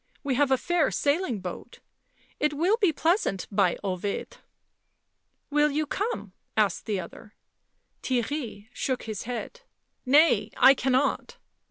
" We have a fair sailing boat — it will be pleasant, by Ovid !" "Will you come?" asked the other. Theirry shook his head. " Nay, I cannot."